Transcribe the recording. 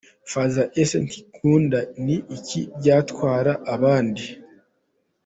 fr : Ese ntikunda ni iki byatwara abandi ?.